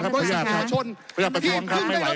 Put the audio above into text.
ขอประท้วงครับขอประท้วงครับขอประท้วงครับขอประท้วงครับ